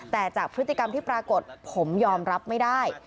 แต่จากพฤติกรรมที่ปรากฏผมยอมรับไม่ได้